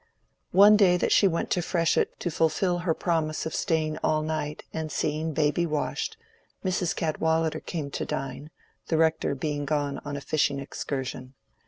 One day that she went to Freshitt to fulfil her promise of staying all night and seeing baby washed, Mrs. Cadwallader came to dine, the Rector being gone on a fishing excursion.